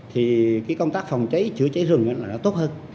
thì cái công tác phòng cháy chữa cháy rừng là đã tốt hơn